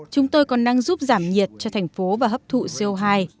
chúng tôi còn đang giúp giảm nhiệt cho thành phố và hấp thụ co hai